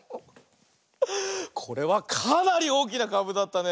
これはかなりおおきなかぶだったね。